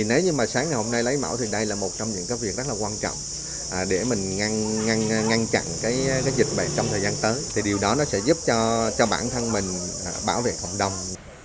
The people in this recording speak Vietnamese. nếu như sáng ngày hôm nay lấy mẫu thì đây là một trong những việc rất quan trọng để mình ngăn chặn dịch bệnh trong thời gian tới điều đó sẽ giúp cho bản thân mình bảo vệ cộng đồng